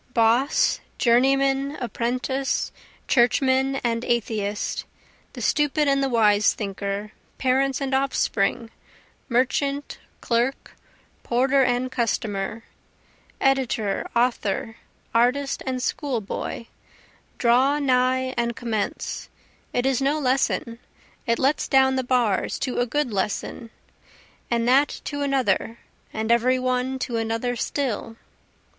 Boss, journeyman, apprentice, churchman and atheist, The stupid and the wise thinker, parents and offspring, merchant, clerk, porter and customer, Editor, author, artist, and schoolboy draw nigh and commence; It is no lesson it lets down the bars to a good lesson, And that to another, and every one to another still.